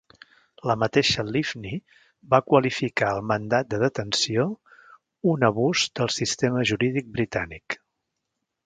La mateixa Livni va qualificar el mandat de detenció "un abús del sistema jurídic britànic".